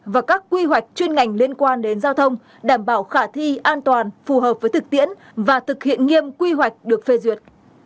và các quy hoạch chuyên ngành liên quan đến giao thông đảm bảo khả thi an toàn phù hợp với thực tiễn và thực hiện nghiêm quy hoạch được phê duyệt